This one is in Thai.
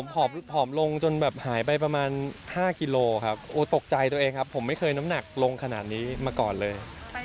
ผอมลงจนแบบหายไปประมาณ๕กิโลครับโอ้ตกใจตัวเองครับผมไม่เคยน้ำหนักลงขนาดนี้มาก่อนเลย